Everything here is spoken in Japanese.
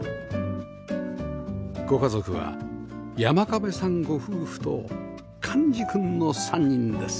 ご家族は山下部さんご夫婦と寛司くんの３人です